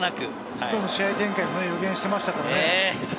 今日の試合展開も予言していましたからね。